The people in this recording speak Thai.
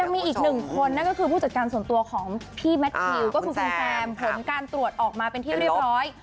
มีอีกหนึ่งคนนั่นก็คือผู้จัดการส่วนตัวของพี่แมททิวก็คือคุณแซมผลการตรวจออกมาเป็นที่เรียบร้อย